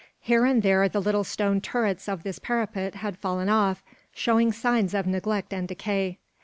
Here and there the little stone turrets of this parapet had fallen off, showing evidence of neglect and decay.